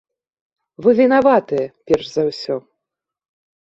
Вы вінаватыя перш за ўсё!